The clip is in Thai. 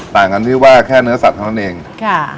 ต่างกันที่ว่าแค่เนื้อสัตว์เท่านั้นเองค่ะ